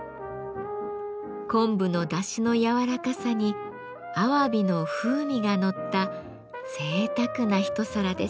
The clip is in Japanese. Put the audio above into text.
昆布のだしの柔らかさにアワビの風味がのったぜいたくな一皿です。